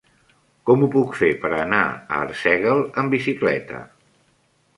Com ho puc fer per anar a Arsèguel amb bicicleta?